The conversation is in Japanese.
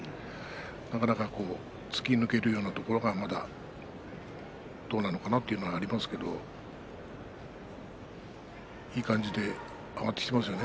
なかなか突き抜けるようなところがまだどうなのかなというところがありますけれどもいい感じで上がってきてますよね。